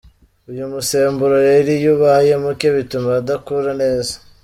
Uyu musemburo rero iyo ubaye muke bituma adakura neza.